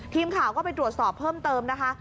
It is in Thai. ทีมข่าวก็ไปตรวจสอบเพิ่มเติมนะคะ